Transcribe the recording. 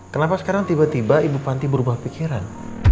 kenapa sekarang tiba tiba ibu kepala sekolah berubah pikiran